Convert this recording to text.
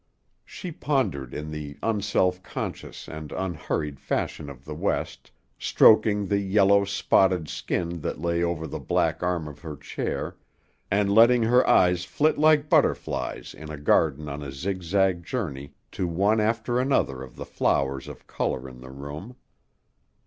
She pondered in the unself conscious and unhurried fashion of the West, stroking the yellow, spotted skin that lay over the black arm of her chair and letting her eyes flit like butterflies in a garden on a zigzag journey to one after another of the flowers of color in the room.